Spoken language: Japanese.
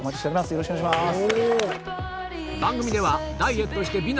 よろしくお願いします。